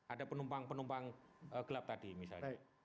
ada penumpang penumpang gelap tadi misalnya